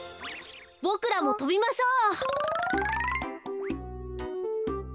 ボクらもとびましょう。